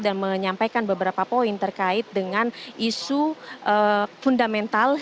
dan menyampaikan beberapa poin terkait dengan isu fundamental